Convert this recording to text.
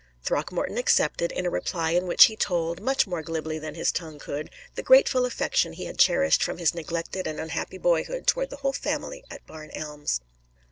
Throckmorton accepted, in a reply in which he told, much more glibly than his tongue could, the grateful affection he had cherished from his neglected and unhappy boyhood toward the whole family at Barn Elms.